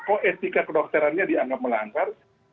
oh etika kedokterannya dianggap melanggar